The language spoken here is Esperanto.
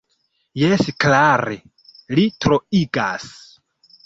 Jes klare, li troigas.